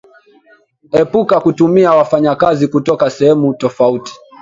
Epuka kutumia wafanyakazi kutoka sehemu tofauti